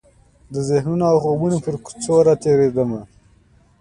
د ذهنونو او خوبونو پر کوڅو راتیریدمه